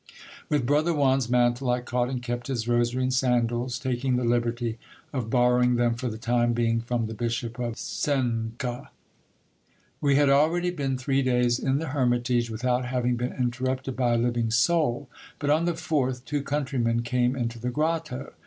With brother Juan's mantle, I caught and kept his rosary and sandals ; taking the liberty of borrowing them for the time being from the bishop of Cuenca. We had already been three days in the hermitage, without having been interrupted by a living soul ; but on the fourth, two countrymen came into the grotto.